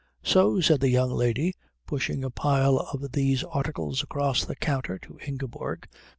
"So," said the young lady, pushing a pile of these articles across the counter to Ingeborg.